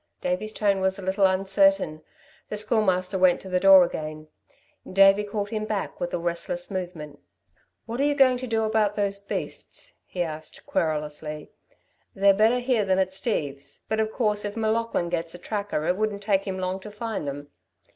Davey's tone was a little uncertain. The Schoolmaster went to the door again. Davey called him back with a restless movement. "What are you going to do about those beasts?" he asked querulously. "They're better here than at Steve's, but of course if M'Laughlin gets a tracker it wouldn't take him long to find them.